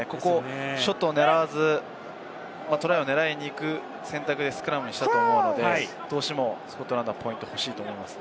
ショットを狙わず、トライを取りに行く選択でスクラムにしたと思うので、どうしてもスコットランドはポイントが欲しいと思います。